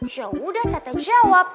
ya udah tata jawab